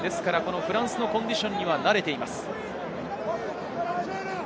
フランスのコンディションには慣れています。